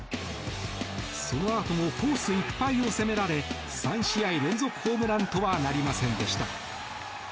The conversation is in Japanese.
そのあともコースいっぱいを攻められ３試合連続ホームランとはなりませんでした。